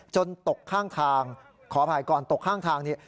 ตกข้างทางขออภัยก่อนตกข้างทางนี้